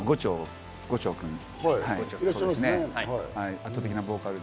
圧倒的なボーカル力。